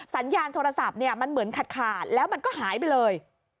สัญญาณโทรศัพท์เนี่ยมันเหมือนขาดแล้วมันก็หายไปเลย